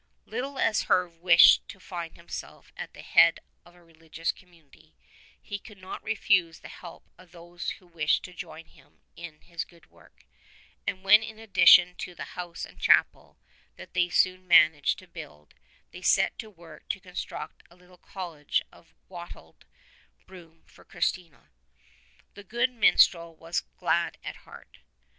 Little as Herve wished to find himself at the head of a re ligious community he could not refuse the help of those who wished to join him in his good work, and when in addition to the house and chapel that they soon managed to build they set to work to construct a little cottage of wattled broom for Kristina, the good minstrel was glad at heart.